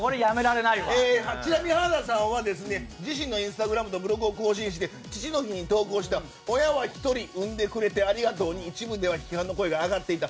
ちなみに花田さんは自身のインスタグラムとツイッターを投稿して父の日に親は１人産んでくれてありがとうの一文に一部批判の声が上がっていた。